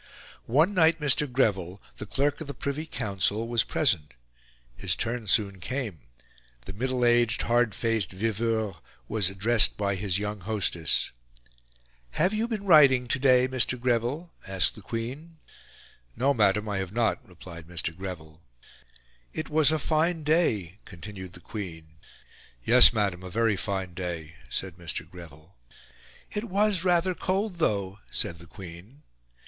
One night Mr. Greville, the Clerk of the Privy Council, was present; his turn soon came; the middle aged, hard faced viveur was addressed by his young hostess. "Have you been riding to day, Mr. Greville?" asked the Queen. "No, Madam, I have not," replied Mr. Greville. "It was a fine day," continued the Queen. "Yes, Madam, a very fine day," said Mr. Greville. "It was rather cold, though," said the Queen.